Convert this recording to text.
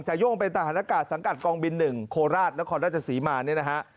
จัยโยงไปต่อธนกาศสังกัดกองบินหนึ่งโคราชและคอนรัชศาสีมานี่นะฮะ